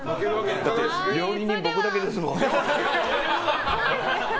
だって料理人、僕だけですもん。